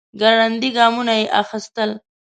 ګړندي ګامونه يې اخيستل.